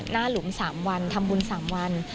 หลุม๓วันทำบุญ๓วัน